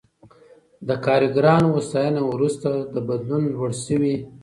د کارګرانو هوساینه وروسته له بدلون لوړ شوې.